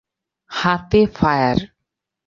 হাতে ফায়ার।